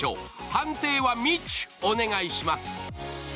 判定はみちゅ、お願いします。